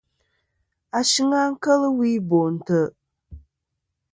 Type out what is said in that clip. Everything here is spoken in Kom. Ashɨng a kel wi Bo ntè.